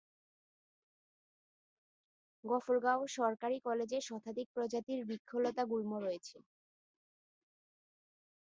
গফরগাঁও সরকারি কলেজে শতাধিক প্রজাতির বৃক্ষ লতা গুল্ম রয়েছে।